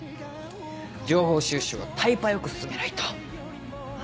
情報収集はタイパよく進めないと。